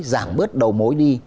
giảm bớt đầu mối đi